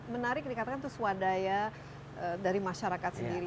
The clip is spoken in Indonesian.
menarik dikatakan itu swadaya dari masyarakat sendiri